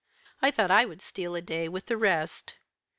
I thought I would steal a day with the rest.